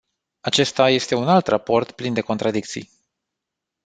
Acesta este un alt raport plin de contradicții.